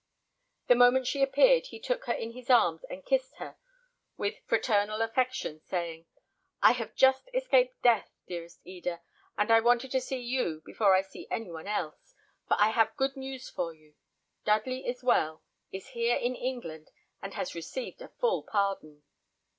The moment she appeared he took her in his arms and kissed her with fraternal affection, saying, "I have just escaped death, dearest Eda, and I wanted to see you before I see any one else, for I have good news for you. Dudley is well, is here in England, and has received a full pardon."